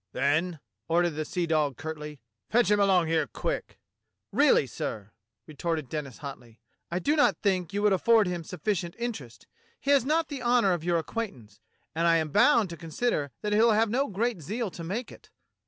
"Then," ordered the seadog curtly, "fetch him along here quick !" "Really, sir," retorted Denis hotly, "I do not think you would afford him sufficient interest. He has not the honour of your acquaintance, and I am bound to consider that he'll have no great zeal to make it!"